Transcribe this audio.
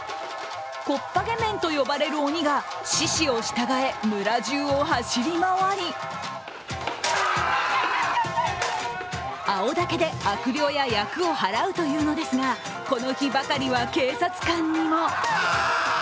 こっぱげ面と呼ばれる鬼が獅子を従え、村じゅうを走り回り青竹で悪霊や厄をはらうというのですが、この日ばかりは警察官にも。